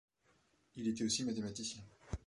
Il était aussi mathématicien.